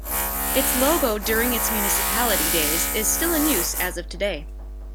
Its logo during its municipality days is still in use as of today.